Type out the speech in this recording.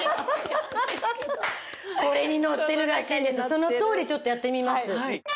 そのとおりちょっとやってみます。